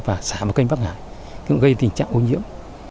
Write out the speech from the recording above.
và xả vào cái kênh bắc hải cũng gây tình trạng ôn diễm